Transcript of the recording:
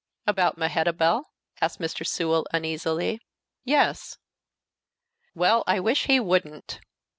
"About Mehetabel?" asked Mr. Sewell, uneasily. "Yes." "Well, I wish he wouldn't!"